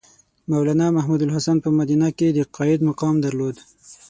مولنا محمودالحسن په مدینه کې د قاید مقام درلود.